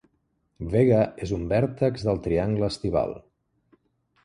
Vega és un vèrtex del Triangle Estival.